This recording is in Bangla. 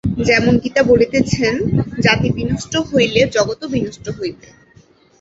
যেমন গীতা বলিতেছেন, জাতি বিনষ্ট হইলে জগৎও বিনষ্ট হইবে।